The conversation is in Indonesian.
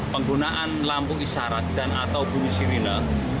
penggunaan lampu isyarat dan atau bumi sirine